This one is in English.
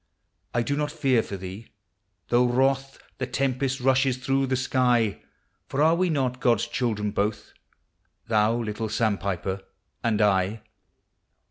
I do not fear for thee, though wroth The tempest rushes through the sky : For are we not God ? s children both, Thou, little sandpiper, and I?